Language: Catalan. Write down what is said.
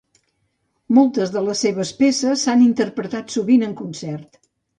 Moltes de les seves peces s'han interpretat sovint en concert.